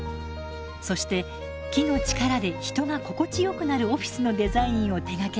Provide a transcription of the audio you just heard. そして木の力で人が心地よくなるオフィスのデザインを手がけました。